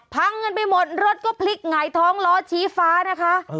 พังกันไปหมดรถก็พลิกหงายท้องล้อชี้ฟ้านะคะ